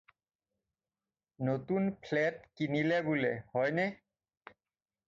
নতুন ফ্লেট কিনিলে বোলে, হয়নে?